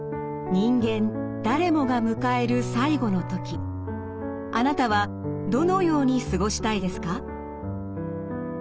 人間誰もが迎えるあなたはどのように過ごしたいですか？